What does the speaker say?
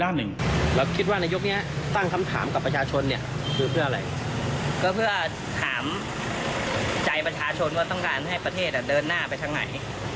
วัดก็ตั้งคำถามกับประชาชนเนี่ย